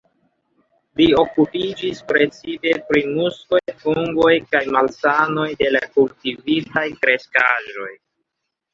Li okupiĝis precipe pri muskoj, fungoj kaj malsanoj de la kultivitaj kreskaĵoj.